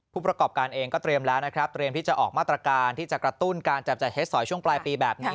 ผู้ประกอบการเองก็เตรียมแล้วนะครับเตรียมที่จะออกมาตรการที่จะกระตุ้นการจับจ่ายเฮ็ดสอยช่วงปลายปีแบบนี้